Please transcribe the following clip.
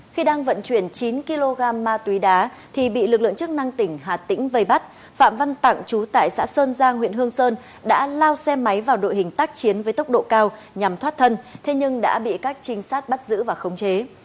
khi đang vận chuyển chín kg ma túy đá thì bị lực lượng chức năng tỉnh hà tĩnh vây bắt phạm văn tặng chú tại xã sơn giang huyện hương sơn đã lao xe máy vào đội hình tác chiến với tốc độ cao nhằm thoát thân thế nhưng đã bị các trinh sát bắt giữ và khống chế